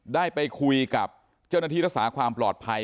ได้ไปคุยกับเจ้าหน้าที่รักษาความปลอดภัย